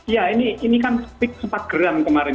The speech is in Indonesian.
ya ini kan speak sempat geram kemarin